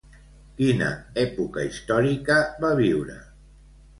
Quina època històrica va viure?